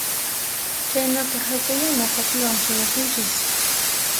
Chaynaqa hakuyá nuqapiwan suyasunchis